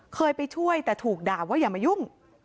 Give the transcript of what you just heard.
เคยไปช่วยแต่ถูกด่าว่าอย่ามายุ่ง